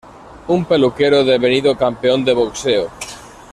Un peluquero devenido campeón de boxeo.